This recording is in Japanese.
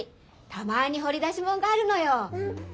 たまに掘り出し物があるのよ。